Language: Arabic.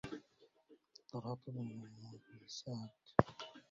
ضراط ابن ميمون فيه سعه